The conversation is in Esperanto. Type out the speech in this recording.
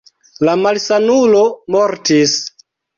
La malsanulo mortis.